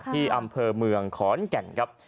ที่อำเภอเมืองขอนแก่นครับ